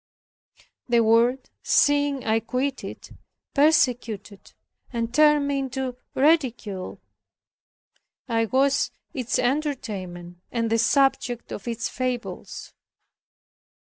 The world, seeing I quit it, persecuted and turned me into ridicule. I was its entertainment, and the subject of its fables.